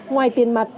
ngoài tiền mặt